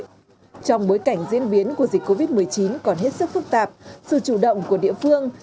trong bối cảnh diễn biến của dịch covid một mươi chín còn hết sức phức tạp sự chủ động của địa phương